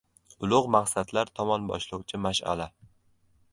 Ulug‘ maqsadlar tomon boshlovchi mash’ala